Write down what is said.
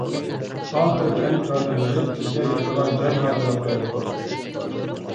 ئاخىرى كەنت كادىرلىرى بىزگە ياتىدىغان جاي ھازىرلاپ بەردى.